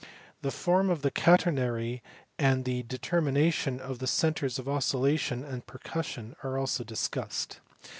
The form of the catenary and the determination of the centres of oscillation and percussion are also discussed.